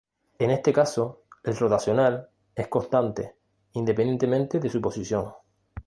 En este caso, el rotacional es constante, independientemente de su posición.